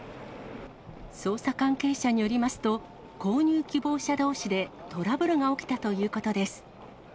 捜査関係者によりますと、購入希望者どうしでトラブルが起きたということです。